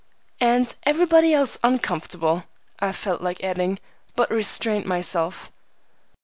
"And everybody else uncomfortable," I felt like adding, but restrained myself.